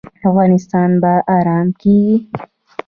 افغانستان به ارام کیږي